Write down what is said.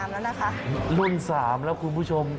ลูกนี้เราทำรุ่นสามแล้วคุณผู้ชม